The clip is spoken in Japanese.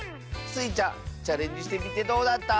スイちゃんチャレンジしてみてどうだった？